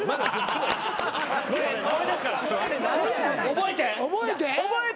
覚えて。